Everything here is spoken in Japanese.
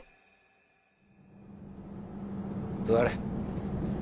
・座れ。